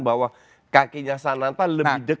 bahwa kakinya sananta lebih dekat